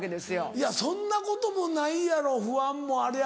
いやそんなこともないやろ不安もありゃ。